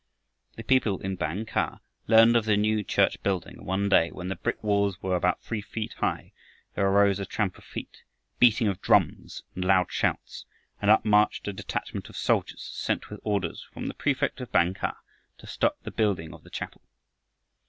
The people in Bang kah learned of the new church building, and one day, when the brick walls were about three feet high, there arose a tramp of feet, beating of drums, and loud shouts, and up marched a detachment of soldiers sent with orders from the prefect of Bang kah to stop the building of the chapel.